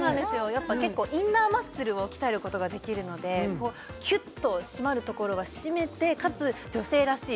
やっぱり結構インナーマッスルを鍛えることができるのでキュッと締まるところは締めてかつ女性らしい